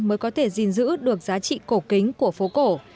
mới có thể gìn giữ được giá trị cổ kính của phố cổ